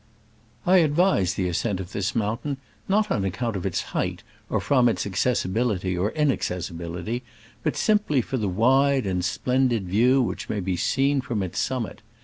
I advise the ascent of this mountain, not on account of its height or from its accessibility or inacessibility, but simply for the wide and splendid view which may be seen from its summit.